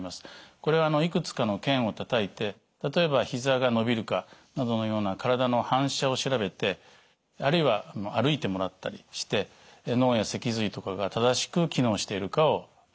これはいくつかの腱をたたいて例えば膝が伸びるかなどのような体の反射を調べてあるいは歩いてもらったりして脳や脊髄とかが正しく機能しているかを診察します。